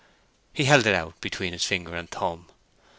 He held it out between his finger and thumb.